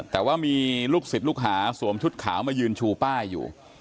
แต่ว่ามีลูกศิษย์ลูกหาสวมชุดขาวมายืนชูป้ายอยู่